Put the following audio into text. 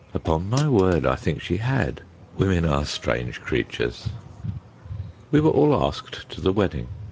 Upon my word, I think she had. Women are strange creatures. We were all asked to the wedding.